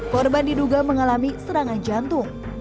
korban diduga mengalami serangan jantung